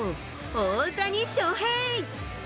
大谷翔平。